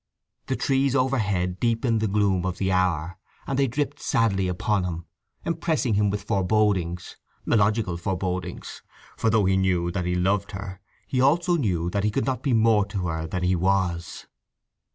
The trees overhead deepened the gloom of the hour, and they dripped sadly upon him, impressing him with forebodings—illogical forebodings; for though he knew that he loved her he also knew that he could not be more to her than he was.